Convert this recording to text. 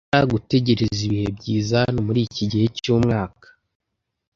Ntushobora gutegereza ibihe byiza hano muri iki gihe cyumwaka.